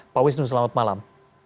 pak wisnu selamat malam